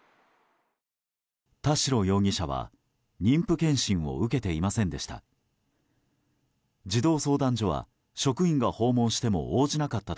田代容疑者は、妊婦検診を受けていませんでした。